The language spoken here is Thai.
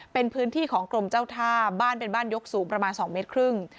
เป็นพื้นที่ของกรมเจ้าท่าบ้านเป็นบ้านยกสูงประมาณ๒เมตรครึ่ง